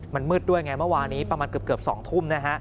มันมืดด้วยไงเมื่อวานนี้ประมาณเกือบ๒ทุ่มนะฮะ